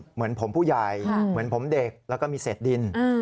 เหมือนผมผู้ใหญ่เหมือนผมเด็กแล้วก็มีเศษดิน